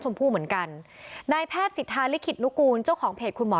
ชมพูเหมือนกันในแพทย์สิทธาลัยกิจลูกกูลเจ้าของเพจคุณหมอ